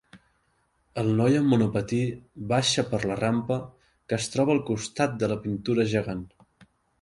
El noi amb monopatí baixa per la rampa que es troba al costat de la pintura gegant.